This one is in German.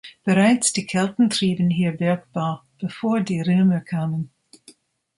Bereits die Kelten trieben hier Bergbau, bevor die Römer kamen.